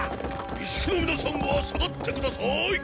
石工のみなさんは下がってください。